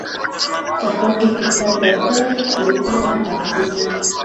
که ښوونکی فیډبک ورکړي، تېروتنه نه پاته کېږي.